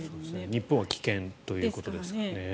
日本は棄権ということですね。